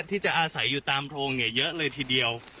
ที่จะอาศัยอยู่ตามโทงเยอะเลยทีเดียว